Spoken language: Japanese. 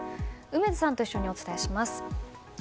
梅津さんと一緒にお伝えします。